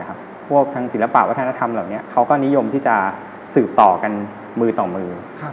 พวกทางศิลปะวัฒนธรรมเหล่านี้เขาก็นิยมที่จะสืบต่อกันมือต่อมือ